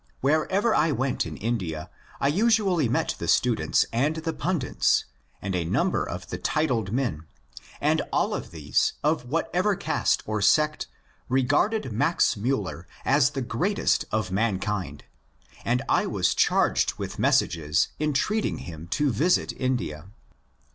Wherever I went in India I usually met the students and the pundits, and a number of the titled men, and all of these, of whatever caste or sect, regarded Max Miiller as the greatest of mankind, and I was charged with messages entreating him to visit India.